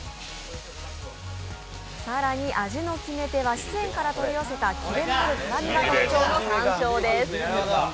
更に味の決め手は四川から取り寄せた、キレのある辛みが特徴のさんしょうです。